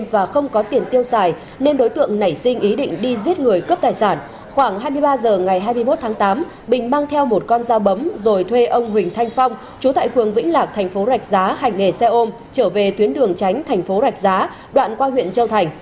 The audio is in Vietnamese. bây giờ ngày hai mươi một tháng tám bình mang theo một con dao bấm rồi thuê ông huỳnh thanh phong chú tại phường vĩnh lạc thành phố rạch giá hành nghề xe ôm trở về tuyến đường tránh thành phố rạch giá đoạn qua huyện châu thành